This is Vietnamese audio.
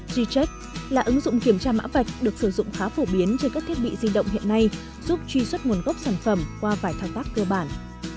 vietjet là ứng dụng kiểm tra mã vạch được sử dụng khá phổ biến trên các thiết bị di động hiện nay giúp truy xuất nguồn gốc sản phẩm qua vài thao tác cơ bản